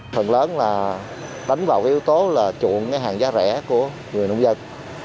phần lớn là đánh vào yếu tố là chuộng hàng giá rẻ của người nông dân